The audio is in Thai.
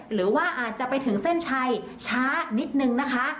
หรือว่าอาจจะไปถึงเส้นชัยช้านิดนึงนะคะ